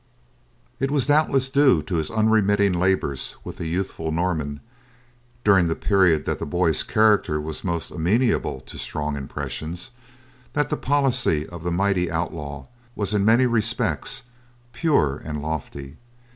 It was doubtless due to his unremitting labors with the youthful Norman, during the period that the boy's character was most amenable to strong impressions, that the policy of the mighty outlaw was in many respects pure and lofty.